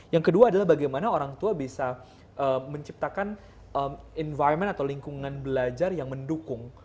yang kedua adalah bagaimana orang tua bisa menciptakan environment atau lingkungan belajar yang mendukung